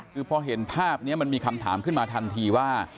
คือพอเห็นภาพนี้มันมีคำถามขึ้นมาทันทีว่า